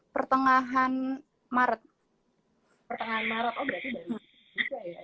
pertengahan maret oh berarti dari cina ya